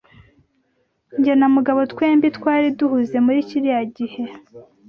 Jye na Mugabo twembi twari duhuze muri kiriya gihe.